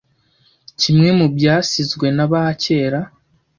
kimwe mubyasizwe na ba kera